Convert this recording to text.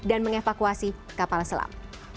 dan mengevakuasi kapal selam